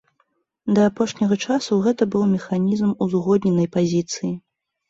Да апошняга часу гэта быў механізм узгодненай пазіцыі.